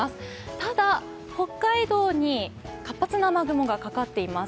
ただ、北海道に活発な雨雲がかかっています。